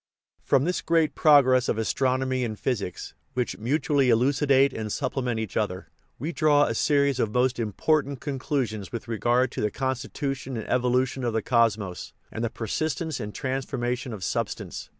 From this great progress of astronomy and physics, which mutually elucidate and supplement each other, we draw a series of most important conclusions with regard to the constitution and evolution of the cosmos, and the persistence and transformation of substance.